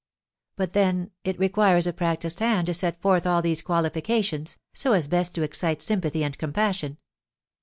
But then it requires a practised hand to set forth all these qualifications, so as best to excite sympathy and compassion.